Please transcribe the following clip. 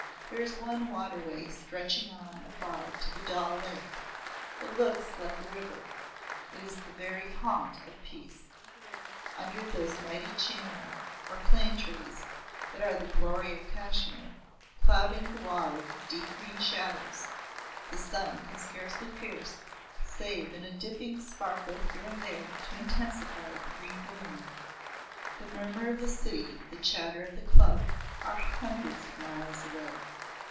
There is one waterway stretching on afar to the Dal Lake. It looks like a river it is the very haunt of peace. Under those mighty chenar, or plane trees, that are the glory of Kashmir, clouding the water with deep green shadows, the sun can scarcely pierce, save in a dipping sparkle here and there to intensify the green gloom. The murmur of the city, the chatter of the club, are hundreds of miles away.